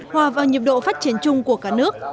hòa vào nhiệm độ phát triển chung của cả nước